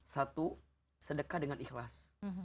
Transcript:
satu sedekah dengan ikhlas